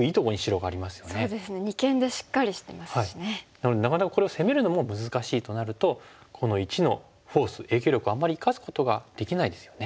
なのでなかなかこれを攻めるのも難しいとなるとこの①のフォース影響力あんまり生かすことができないですよね。